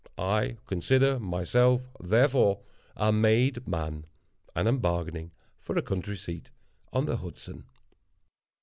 I consider myself, therefore, a made man, and am bargaining for a country seat on the Hudson.